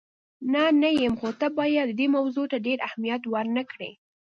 نه، نه یم، خو ته باید دې موضوع ته ډېر اهمیت ور نه کړې.